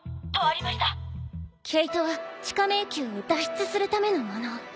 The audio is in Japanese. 毛糸は地下迷宮を脱出するためのもの。